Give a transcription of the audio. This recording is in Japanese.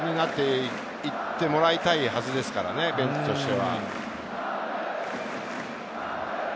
なっていってもらいたいはずですからね、ベンチとしては。